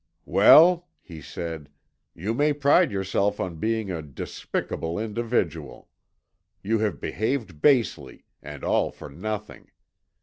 "Well," he said, "you may pride yourself on being a despicable individual. You have behaved basely, and all for nothing.